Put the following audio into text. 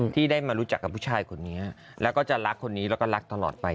ที่ได้มารู้จักกับผู้ชายคนนี้แล้วก็จะรักคนนี้แล้วก็รักตลอดไป